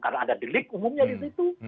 karena ada delik umumnya di situ